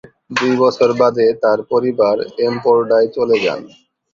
দুই বছর বাদে তার পরিবার এমপোরডায় চলে যান।